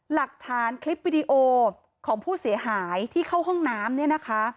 หลักฐานคลิปวิดีโอของผู้เสียหายที่เข้าห้องน้ำเนี่ยนะคะ